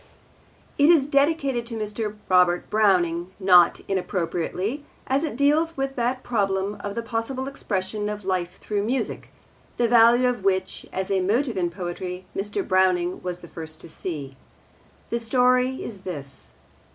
It is dedicated to Mr. Robert Browning, not inappropriately, as it deals with that problem of the possible expression of life through music, the value of which as a motive in poetry Mr. Browning was the first to see. The story is this.